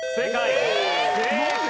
正解。